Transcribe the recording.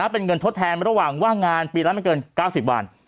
เป็นเงินทดแทนระหว่างว่างงานปีละไม่เกิน๙๐วัน